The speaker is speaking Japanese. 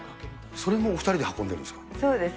それもお２人で運んでるんでそうです。